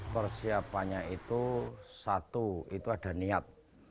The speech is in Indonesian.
persiapannya itu satu itu ada niat